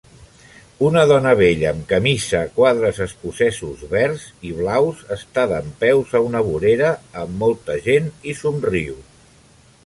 Una dona vella amb camisa a quadres escocesos verds i blaus està dempeus a una vorera amb molta gent i somriu.